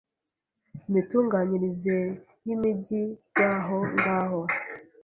imitunganyirize y imijyi rw aho ngaho